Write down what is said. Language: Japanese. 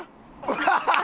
ハハハハ！